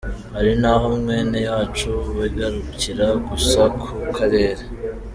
Hari n’aho mwene wacu bigarukira gusa ku karere.